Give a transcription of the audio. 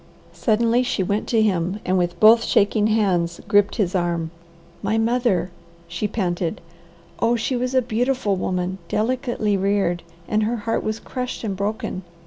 Suddenly she went to him and with both shaking hands gripped his arm. "My mother!" she panted. "Oh she was a beautiful woman, delicately reared, and her heart was crushed and broken.